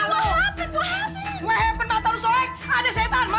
wah disampir setan